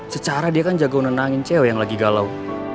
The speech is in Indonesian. secara dia kan jago nenangin cewek yang lagi galau